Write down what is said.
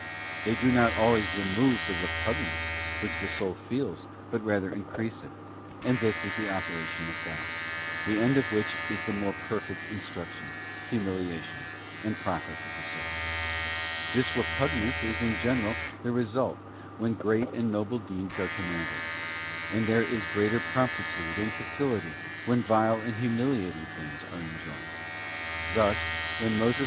They do not always remove the repugnance which the soul feels, but rather increase it; and this is the operation of God, the end of which is the more perfect instruction, humiliation, and profit of the soul. This repugnance is in general the result, when great and noble deeds are commanded; and there is greater promptitude and facility, when vile and humiliating things are enjoined. Thus when Moses was * Dan.